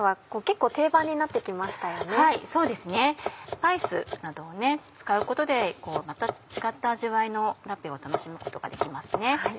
スパイスなどを使うことでまた違った味わいのラペを楽しむことができますね。